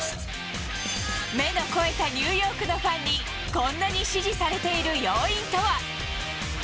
目の肥えたニューヨークのファンにこんなに支持されている要因とは。